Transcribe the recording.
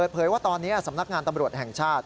เผยว่าตอนนี้สำนักงานตำรวจแห่งชาติ